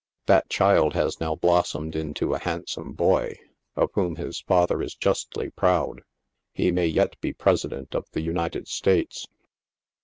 That child has now blossomed into a handsome boy, of whom his father is justly proud ; he may yet be President of the United States.